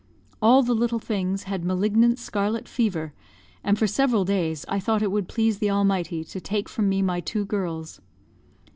All the little things had malignant scarlet fever, and for several days I thought it would please the Almighty to take from me my two girls.